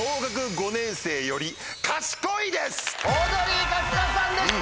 オードリー・春日さんでした！